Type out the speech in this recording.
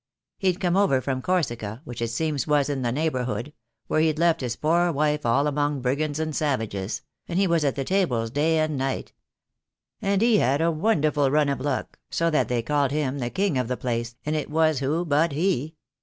He'd come over from Corsica, which it seems was in the neighbourhood — where he'd left his poor wife all among brigands and savages — and he was at the tables day and night, and he had a wonderful run of luck, so that they called him the king of the place, and it was who but he?